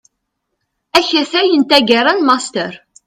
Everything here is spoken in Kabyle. Akatay n taggara n Master.